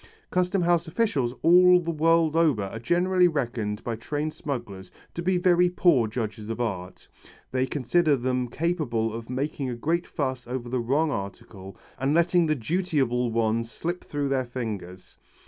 Custom House officials all the world over are generally reckoned by trained smugglers to be very poor judges of art. They consider them capable of making a great fuss over the wrong article and letting the dutiable ones slip through their fingers.